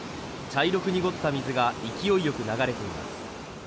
茶色く濁った水が勢いよく流れています。